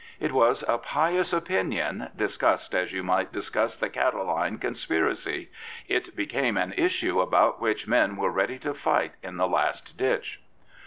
It was a pious opinion, discussed as you might discuss the Catiline conspiracy: it became an issue about which men were ready to fight in the last ditch.